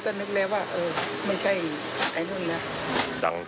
ก็นึกแล้วว่าไม่ใช่ไหนนึงนะ